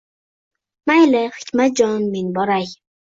Mayli, Hikmatjon, men boray.